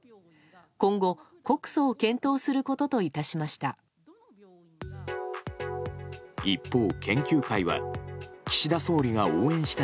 今後、告訴を検討することと致しました。